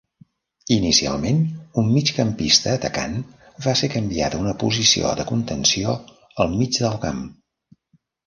Inicialment un migcampista atacant, va ser canviat a una posició de contenció al mig del camp.